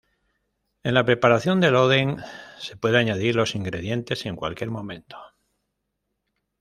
En la preparación del "oden", se puede añadir los ingredientes en cualquier momento.